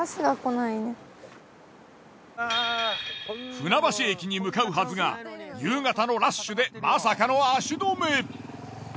船橋駅に向かうはずが夕方のラッシュでまさかの足止め。